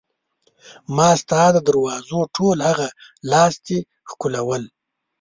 ما ستا د دروازو ټول هغه لاستي ښکلول.